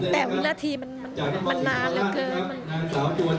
แต่วินาทีมันนานเหลือเกิน